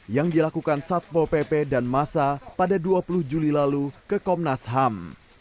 yang dilakukan satpol pp dan masa pada dua puluh juli lalu ke komnas ham